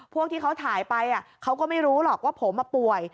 พวกที่เขาถ่ายไปเขาก็ไม่รู้หรอกว่าผมป่วย